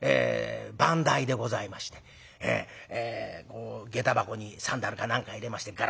番台でございましてげた箱にサンダルか何か入れましてガラッと開けますとね